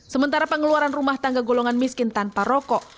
sementara pengeluaran rumah tangga golongan miskin tanpa rokok